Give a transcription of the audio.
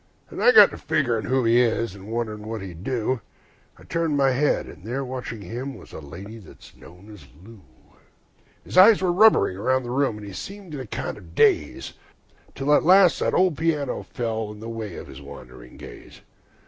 Then I got to figgering who he was, and wondering what he'd do, And I turned my head and there watching him was the lady that's known as Lou. His eyes went rubbering round the room, and he seemed in a kind of daze, Till at last that old piano fell in the way of his wandering gaze.